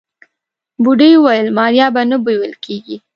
بوډۍ وويل ماريا به نه بيول کيږي.